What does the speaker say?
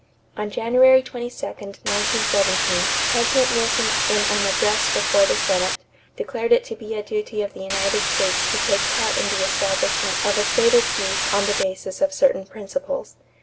On January 22, 1917, President Wilson in an address before the Senate, declared it to be a duty of the United States to take part in the establishment of a stable peace on the basis of certain principles.